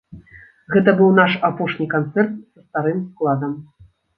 Гэта быў наш апошні канцэрт са старым складам.